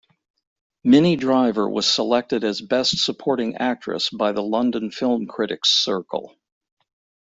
Minnie Driver was selected as best supporting actress by the London Film Critics Circle.